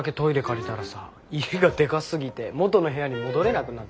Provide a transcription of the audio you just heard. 借りたらさ家がでかすぎて元の部屋に戻れなくなっちゃってさ。